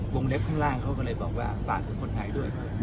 เล็บข้างล่างเขาก็เลยบอกว่าฝากถึงคนไทยด้วย